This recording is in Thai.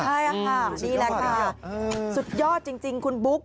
ใช่ค่ะนี่แหละค่ะสุดยอดจริงคุณบุ๊ค